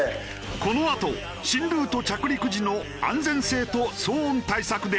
このあと新ルート着陸時の安全性と騒音対策で大激論。